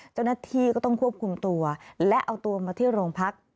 เจ้าหน้าที่ก็ต้องควบคุมตัวและเอาตัวมาที่โรงพัก